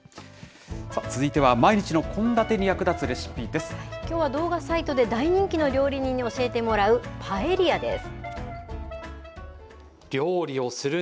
続いては毎日の献立に役立つレシきょうは動画サイトで大人気の料理人に教えてもらうパエリアです。